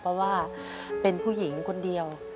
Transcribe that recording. เพราะว่าเป็นผู้หญิงคนเดียว